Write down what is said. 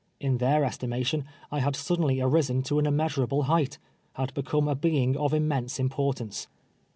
In their estimation, I had suddenly arisen to an immeasurable height — had become a being of immense importance.